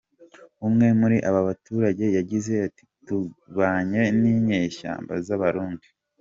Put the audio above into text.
Umwe muri aba baturage yagize ati: “Tubanye n’inyeshyamba z’Abarundi.